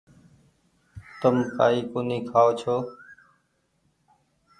تم ڪآئي ڪونيٚ کآئو ڇو۔